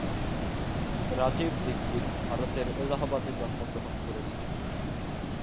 রাজীব দীক্ষিত ভারতের এলাহাবাদে জন্মগ্রহণ করেছিলেন।